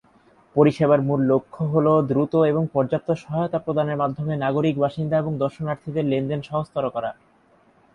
পরিষেবার মূল লক্ষ্য হল দ্রুত এবং পর্যাপ্ত সহায়তা প্রদানের মাধ্যমে নাগরিক, বাসিন্দা এবং দর্শনার্থীদের লেনদেন সহজতর করা।